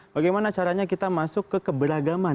bagaimana caranya kita masuk ke keberagaman